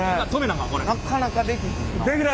なかなかできひんな。